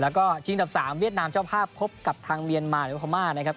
แล้วก็ชิงดับ๓เวียดนามเจ้าภาพพบกับทางเมียนมาหรือพม่านะครับ